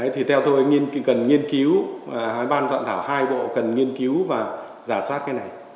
thì theo tôi ban soạn thảo hai bộ cần nghiên cứu và giả soát cái này